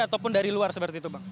ataupun dari luar seperti itu bang